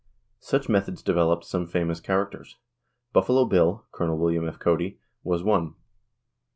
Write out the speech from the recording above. Such methods developed some famous characters. Buffalo Bill (Col. W. F. Cody) was one.